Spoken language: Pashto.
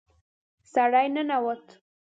سړی ننوت.